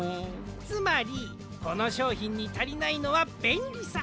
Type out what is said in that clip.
つまりこのしょうひんにたりないのはべんりさ。